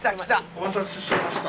お待たせしました。